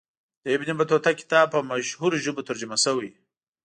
د ابن بطوطه کتاب په مشهورو ژبو ترجمه سوی.